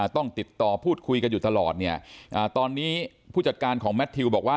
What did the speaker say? ต้องติดต่อพูดคุยกันอยู่ตลอดเนี่ยตอนนี้ผู้จัดการของแมททิวบอกว่า